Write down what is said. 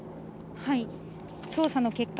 捜査の結果、